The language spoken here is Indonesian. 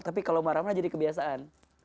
tapi kalau marah marah jadi kebiasaan